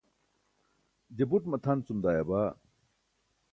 je buṭ matʰan cum dayaba